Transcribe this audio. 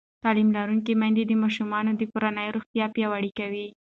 تعلیم لرونکې میندې د ماشومانو د کورنۍ روغتیا پیاوړې کوي.